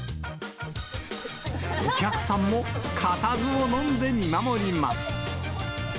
お客さんもかたずをのんで見守ります。